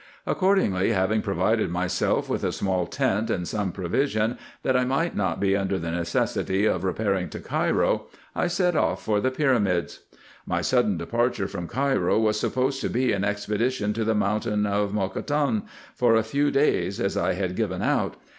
Accordingly having provided myself with a small tent, and some provision, that I might not be under the necessity of repairing to Cairo, I set off for the pyramids. My sudden departure from Cairo was supposed to be an expe i,l2 260 RESEARCHES AND OPERATIONS ditioii to the mountain of Mokatam, for a few days, as I had given out.